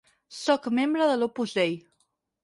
Sóc membre de l'Opus Dei.